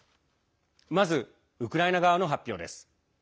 まず、ウクライナ側の発表です。